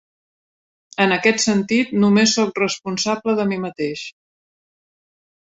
En aquest sentit, només soc responsable de mi mateix.